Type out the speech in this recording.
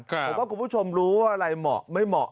ผมว่าคุณผู้ชมรู้ว่าอะไรเหมาะไม่เหมาะ